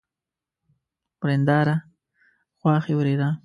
ورېنداره ، خواښې، ورېره